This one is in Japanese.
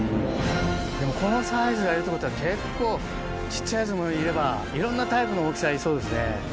でもこのサイズがいるってことは結構小っちゃいやつもいればいろんなタイプの大きさいそうですね。